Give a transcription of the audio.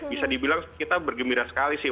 bisa dibilang kita bergembira sekali sih